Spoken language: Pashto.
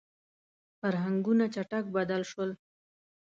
• فرهنګونه چټک بدل شول.